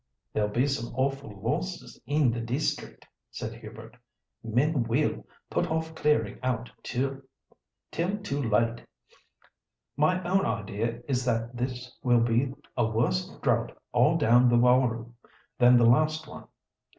"There'll be some awful losses in the district," said Hubert. "Men will put off clearing out till too late. My own idea is that this will be a worse drought all down the Warroo than the last one.